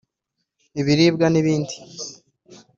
ibiribwa n’ibindi